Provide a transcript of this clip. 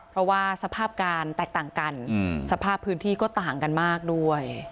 เพราะว่าสภาพการแตกต่างกันสภาพพื้นที่ก็ต่างกันมากด้วย